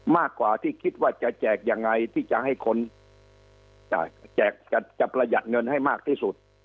มากกว่าที่คิดว่าจะแจกยังไงที่จะให้คนจะประหยัดเงินให้มากที่สุด